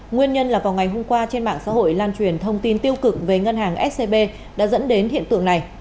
nguyên nhân là vào ngày hôm qua trên mạng xã hội lan truyền thông tin tiêu cực về ngân hàng scb đã dẫn đến hiện tượng này